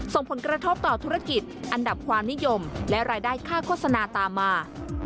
ส่งผลกระทบต่อธุรกิจอันดับความนิยมและรายได้ค่าโฆษณาตามมา